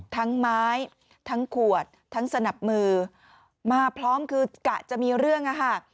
ทั้งไม้ทั้งขวดทั้งสนับมือมาพร้อมคือกะจะมีเรื่องอ่ะค่ะ